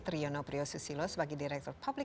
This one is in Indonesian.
terima kasih ibu baby